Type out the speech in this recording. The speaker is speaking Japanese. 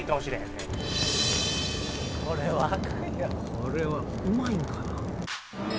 これはうまいんかな？